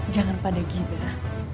jangan pada gila